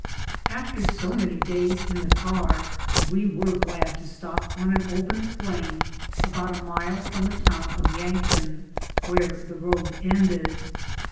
Aftee so many days in the car, we were glad to stop on an open plain abont a mile from the town of Yank ton, where the road ended.